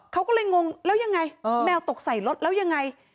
เขาก็เลยงงแล้วยังไงแมวตกใส่รถแล้วยังไง